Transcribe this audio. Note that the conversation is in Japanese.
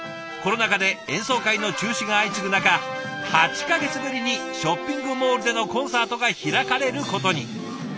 コロナ禍で演奏会の中止が相次ぐ中８か月ぶりにショッピングモールでのコンサートが開かれることに。